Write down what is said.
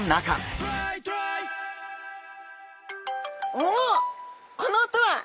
おおこの音は！